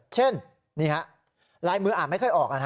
เช่นนี่ฮะลายมืออ่านไม่ค่อยออก